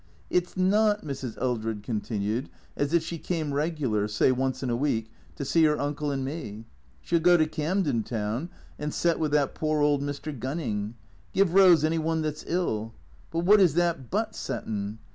" It 's not," Mrs. Eldred continued, " as if she came reg'lar, say once in a week, to see 'er uncle and me. She '11 go to Camden Town and set with that poor old Mr. Gunning. Give Eose any one that 's ill. But wot is that hut settin'